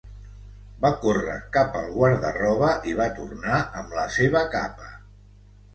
Va córrer cap al guarda-roba i va tornar amb la seva capa.